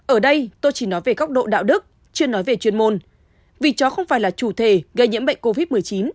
ở đây tôi chỉ nói về góc độ đạo đức chưa nói về chuyên môn vì chó không phải là chủ thể gây nhiễm bệnh covid một mươi chín